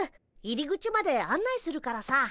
入り口まで案内するからさ。